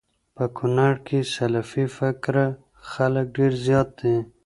په کونړ کي سلفي فکره خلک ډير زيات دي